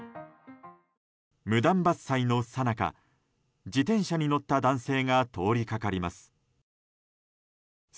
無断伐採のさなか自転車に乗った男性が通りかかります。